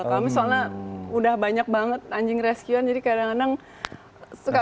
karena misalnya sudah banyak banget anjing reskian jadi kadang kadang suka bingung